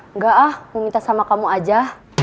engga ah mau minta sama kamu aja